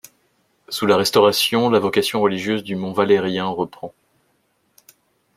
Sous la Restauration, la vocation religieuse du mont Valérien reprend.